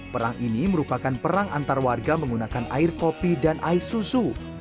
perang ini merupakan perang antar warga menggunakan air kopi dan air susu